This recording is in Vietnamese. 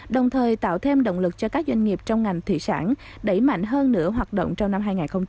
đồng thời tạo thêm động lực cho các doanh nghiệp trong ngành thủy sản đẩy mạnh hơn nửa hoạt động trong năm hai nghìn hai mươi